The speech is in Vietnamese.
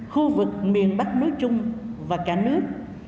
khu vực miền bắc nối trung và cả nước